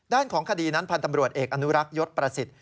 ของคดีนั้นพันธ์ตำรวจเอกอนุรักษ์ยศประสิทธิ์